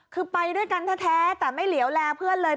คือไปด้วยกันแท้แต่ไม่เหลวแลเพื่อนเลย